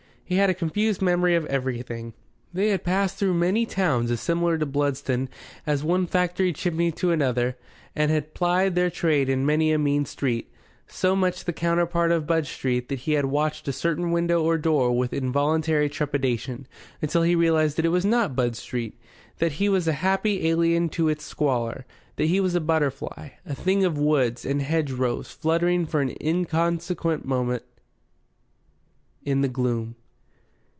He had a confused memory of everything. They had passed through many towns as similar to Bludston as one factory chimney to another, and had plied their trade in many a mean street, so much the counterpart of Budge Street that he had watched a certain window or door with involuntary trepidation, until he realized that it was not Budge Street, that he was a happy alien to its squalor, that he was a butterfly, a thing of woods and hedgerows fluttering for an inconsequent moment in the gloom.